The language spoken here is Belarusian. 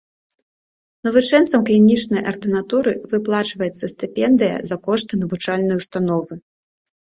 Навучэнцам клінічнай ардынатуры выплачваецца стыпендыя за кошт навучальнай установы.